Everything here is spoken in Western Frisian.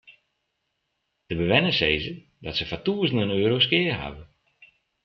De bewenners sizze dat se foar tûzenen euro's skea hawwe.